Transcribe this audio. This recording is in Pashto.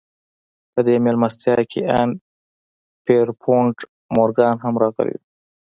په دې مېلمستيا کې ان پيرپونټ مورګان هم راغلی و.